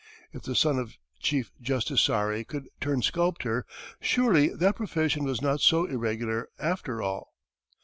If the son of Chief Justice Story could turn sculptor, surely that profession was not so irregular, after all!